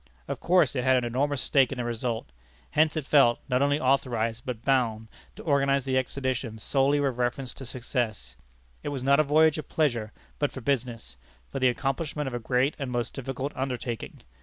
Of course it had an enormous stake in the result. Hence it felt, not only authorized, but bound, to organize the expedition solely with reference to success. It was not a voyage of pleasure, but for business; for the accomplishment of a great and most difficult undertaking.